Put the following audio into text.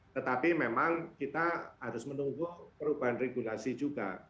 tetapi memang kita harus menunggu perubahan regulasi juga